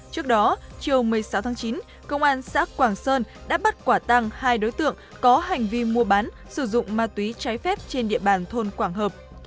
trước đó chiều một mươi sáu tháng chín công an xã quảng sơn đã bắt quả tăng hai đối tượng có hành vi mua bán sử dụng ma túy trái phép trên địa bàn thôn quảng hợp